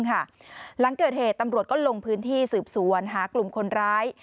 หลังเกิดเหตุตำรวจก็ลงพื้นที่สืบสวนหากลุ่มคนร้าย